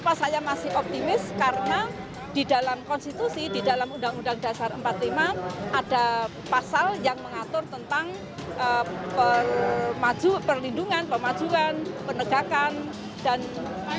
dan saya masih optimis karena di dalam konstitusi di dalam undang undang dasar empat puluh lima ada pasal yang mengatur tentang perlindungan pemajuan penegakan dan perkembangan